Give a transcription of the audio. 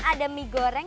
ada mie goreng